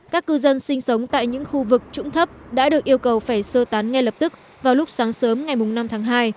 các cư dân sinh sống tại những khu vực trũng thấp đã được yêu cầu phải sơ tán ngay lập tức vào lúc sáng sớm ngày năm tháng hai